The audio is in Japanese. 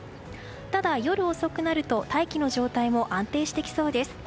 ただ、夜遅くなると大気の状態も安定してきそうです。